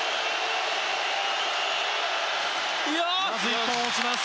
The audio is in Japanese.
１本落ちます。